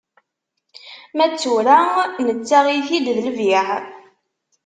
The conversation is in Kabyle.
Ma d tura, nettaɣ-it-id d lbiɛ.